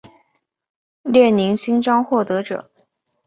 列宁勋章获得者。